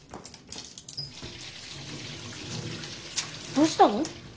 どうしたの？